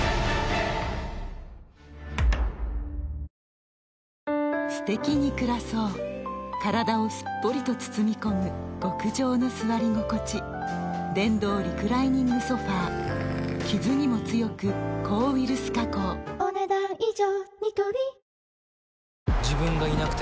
光のキッチンザ・クラッソすてきに暮らそう体をすっぽりと包み込む極上の座り心地電動リクライニングソファ傷にも強く抗ウイルス加工お、ねだん以上。